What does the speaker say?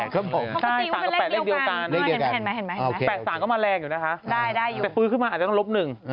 คุณแม่๘มันอัศจรรย์นะคุณแม่